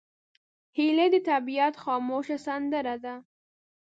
هیلۍ د طبیعت خاموشه سندره ده